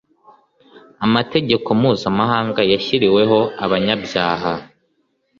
amategeko mpuzamahanga yashyiriweho abanyabyaha